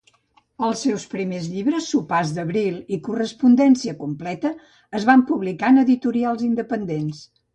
Els seus primers llibres, Sopars d'Abril i Correspondència Completa, es van publicar en editorials independents.